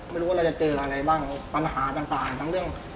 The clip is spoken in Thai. ไม่รู้ว่าเราจะเจออะไรบ้างปัญหาต่าง